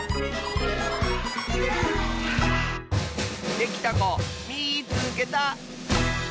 できたこみいつけた！